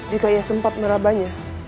jika ia sempat merabahnya